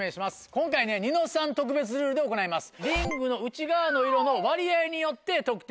今回ね『ニノさん』特別ルールで行います。